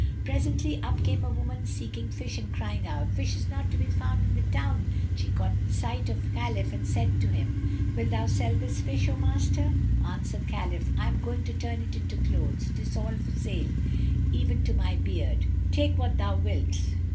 Presently, up came a woman seeking fish and crying out, "Fish is not to be found in the town." She caught sight of Khalif, and said to him, "Wilt thou sell this fish, O Master?" Answered Khalif, "I am going to turn it into clothes, 'tis all for sale, even to my beard.[FN#275] Take what thou wilt."